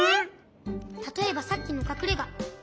たとえばさっきのかくれが。